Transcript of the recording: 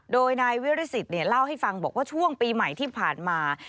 โดยนายวิริสิตเล่าให้ฟังบอกว่าช่วงปีใหม่ที่ผ่านมา